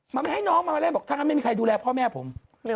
มันไม่ให้น้องมาเล่นบอกถ้างั้นไม่มีใครดูแลพ่อแม่ผม